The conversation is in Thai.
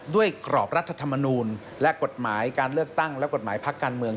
กรอบรัฐธรรมนูลและกฎหมายการเลือกตั้งและกฎหมายพักการเมือง